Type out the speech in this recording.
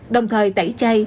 đồng thời tẩy chay